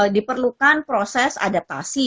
diperlukan proses adaptasi